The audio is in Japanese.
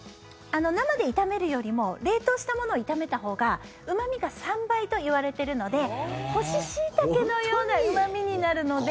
生で炒めるよりも冷凍したものを炒めたほうがうま味が３倍といわれているので干しシイタケのようなうま味になるので。